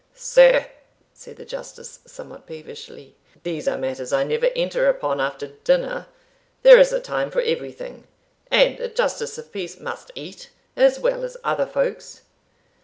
"Sir," said the Justice, somewhat peevishly, "these are matters I never enter upon after dinner; there is a time for everything, and a justice of peace must eat as well as other folks."